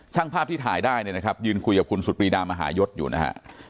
ภาพที่ถ่ายได้เนี่ยนะครับยืนคุยกับคุณสุดปรีดามหายศอยู่นะฮะ